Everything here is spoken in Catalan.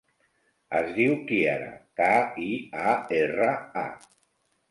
Es diu Kiara: ca, i, a, erra, a.